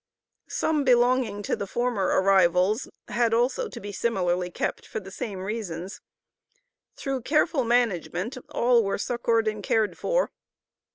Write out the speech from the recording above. Some belonging to the former arrivals had also to be similarly kept for the same reasons. Through careful management all were succored and cared for.